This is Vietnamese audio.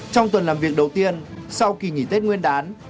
trong tuần làm việc đầu tiên sau kỳ nghỉ tết nguyên đán